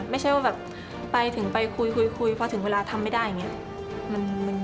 ไม่ใช่ว่าแบบไปถึงไปคุยพอถึงเวลาทำไม่ได้อย่างนี้